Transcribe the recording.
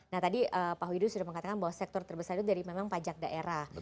nah tadi pak widu sudah mengatakan bahwa sektor terbesar itu dari memang pajak daerah